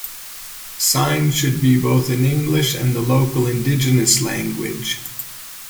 Signs should be in both English and the local indigenous language.